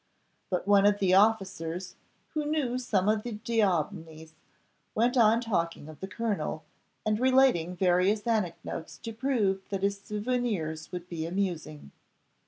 But one of the officers, who knew some of the D'Aubignys, went on talking of the colonel, and relating various anecdotes to prove that his souvenirs would be amusing.